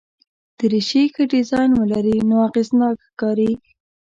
دریشي ښه ډیزاین ولري نو اغېزناک ښکاري.